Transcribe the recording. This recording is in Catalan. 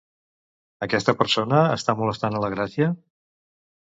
Aquesta persona està molestant a la Gràcia?